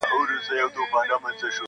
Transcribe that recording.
د کورونو دروازې تړلې دي او فضا سړه ښکاري,